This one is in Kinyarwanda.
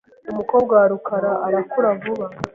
Umukobwa wa rukara arakura vuba .